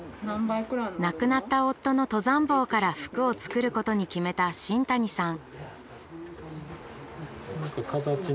亡くなった夫の登山帽から服を作ることに決めた新谷さん。